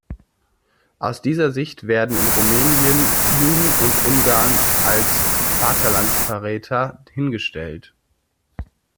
Aus dieser Sicht werden in Rumänien Juden und Ungarn als Vaterlandsverräter hingestellt.